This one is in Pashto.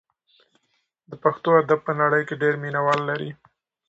د پښتو ادب په نړۍ کې ډېر مینه وال لري.